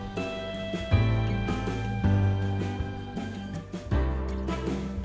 apa akun berhenti membiliksa